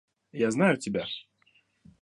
Я знаю тебя.